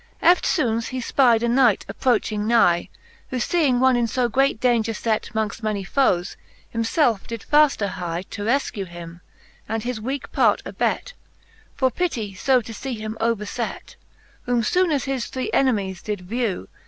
XXIL Eftfoones he fpide a Knight approaching nye, Who feeing one in fo great daunger fet Mongft many foes, him felfe did fafter hye; To refkue him, and his weake part abet. For pitty fo to fee him overfet. Whom foone as his three enemies did vew.